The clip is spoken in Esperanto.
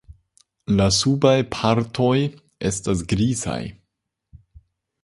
La subaj partoj estas grizaj.